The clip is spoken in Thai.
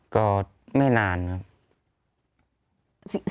ก็ไม่นานครับ